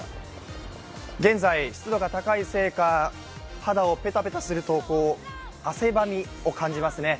現在、湿度が高いせいか肌をペタペタすると汗ばみを感じますね。